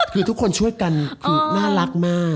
คือทุกคนช่วยกันคือน่ารักมาก